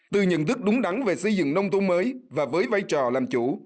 từ nhận thức đúng đắn về xây dựng nông thôn mới và với vai trò làm chủ